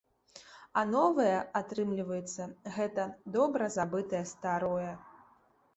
А новае, атрымліваецца, гэта добра забытае старое.